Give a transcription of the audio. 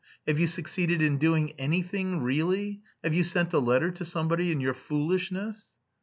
Have you succeeded in doing anything really? Have you sent a letter to somebody in your foolishness?"